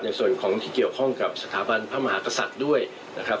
ในส่วนของที่เกี่ยวข้องกับสถาบันพระมหากษัตริย์ด้วยนะครับ